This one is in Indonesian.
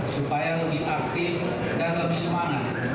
supaya lebih aktif dan lebih semangat